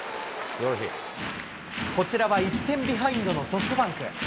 こちらは１点ビハインドのソフトバンク。